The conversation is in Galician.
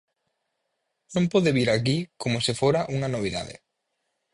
Non pode vir aquí como se fora unha novidade.